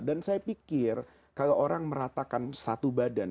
dan saya pikir kalau orang meratakan satu badan